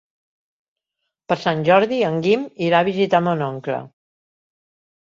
Per Sant Jordi en Guim irà a visitar mon oncle.